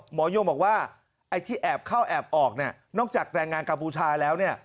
หมอโยงบอกว่าไอ้ที่แอบเข้าแอบออกนอกจากแรงงานกัมพูชาแล้ว